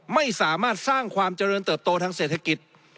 ไม่สามารถสร้างความเจริญเติบโตทางเศรษฐกิจ